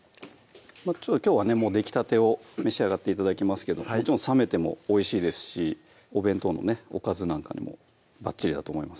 きょうはねもうできたてを召し上がって頂きますけどもちろん冷めてもおいしいですしお弁当のねおかずなんかにもバッチリだと思います